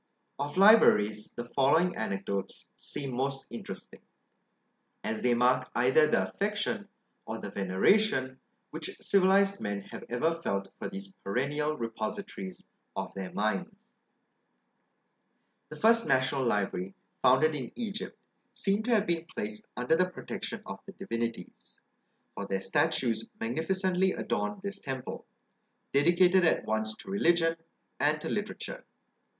Of LIBRARIES, the following anecdotes seem most interesting, as they mark either the affection, or the veneration, which civilised men have ever felt for these perennial repositories of their minds. The first national library founded in Egypt seemed to have been placed under the protection of the divinities, for their statues magnificently adorned this temple, dedicated at once to religion and to literature.